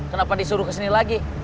kenapa disuruh kesini lagi